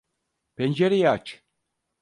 Pencereyi aç.